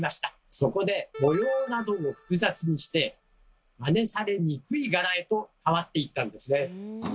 そこで模様などを複雑にしてマネされにくい柄へと変わっていったんですね。